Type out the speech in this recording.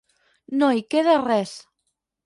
No hi queda res.